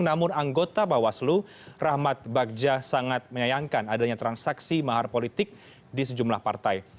namun anggota bawaslu rahmat bagja sangat menyayangkan adanya transaksi mahar politik di sejumlah partai